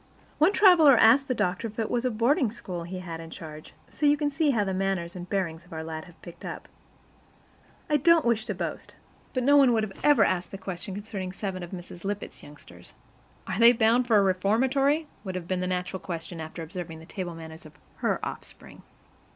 One traveler asked the doctor if it was a boarding school he had in charge; so you can see how the manners and bearing of our lads have picked up. I don't wish to boast, but no one would ever have asked such a question concerning seven of Mrs. Lippett's youngsters. "Are they bound for a reformatory?" would have been the natural question after observing the table manners of her offspring.